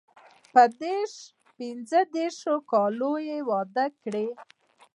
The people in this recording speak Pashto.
په دیرش پنځه دېرش کاله واده کې.